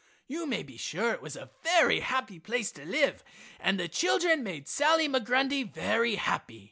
You may be sure it was a very happy place to live and the children made Sally Migrundy very happy.